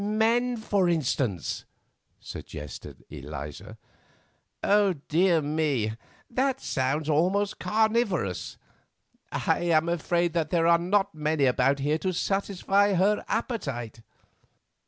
"Men, for instance," suggested Eliza. "Dear me! that sounds almost carnivorous. I am afraid that there are not many about here to satisfy her appetite.